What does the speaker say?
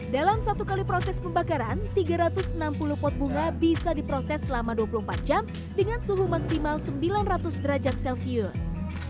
dalam satu kali proses pembakaran tiga ratus enam puluh pot bunga bisa diproses selama dua puluh empat jam dengan suhu maksimal sembilan ratus derajat celcius